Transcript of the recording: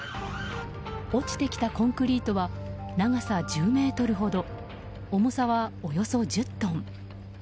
落ちてきたコンクリートは長さ１０ｍほど重さはおよそ１０トン。